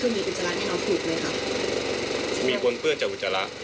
มีอุจจาระปางปุ่นเปื้อนจากอุจจาระ